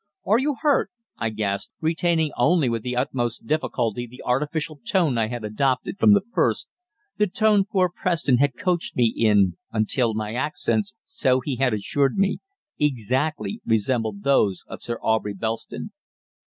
"Are you hurt?" I gasped, retaining only with the utmost difficulty the artificial tone I had adopted from the first, the tone poor Preston had coached me in until my accents, so he had assured me, exactly resembled those of Sir Aubrey Belston.